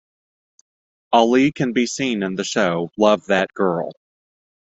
Ali can be seen in the show, Love That Girl!